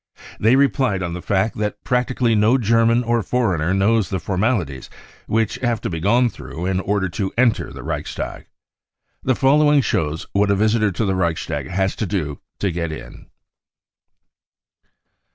They relied on the fact that prac tically no German or foreigner knows the formalities which . have to be gone through in order to enter the Reichstag. The following shows what a visitor to the Reichstag has to do in order 1;o get in.